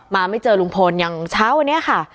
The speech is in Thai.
มาไม่เจอโรงพลยังเช้าวันนี้ค่ะ